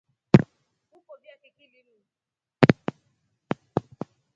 Ukovya kiki linu.